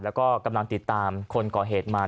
แล้วก็กำลังติดตามคนก่อเหตุมา